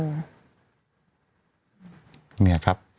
เนี่ยครับ